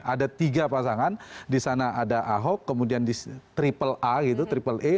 ada tiga pasangan di sana ada ahok kemudian di triple a gitu triple e